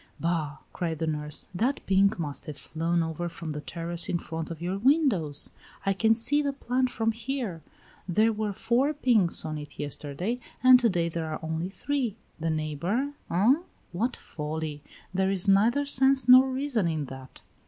"Bah!" cried the nurse. "That pink must have flown over from the terrace in front of your windows. I can see the plant from here; there were four pinks on it yesterday, and to day there are only three. The neighbor, eh? What folly! There is neither sense nor reason in that."